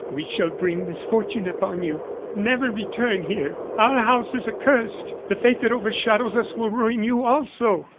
We shall bring misfortune upon you. Never return here; our house is accursed. The fate that overshadows us will ruin you also."